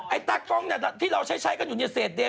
ไอตากล้องที่เราใช้ก็อยู่ในเศรษฐ์เดน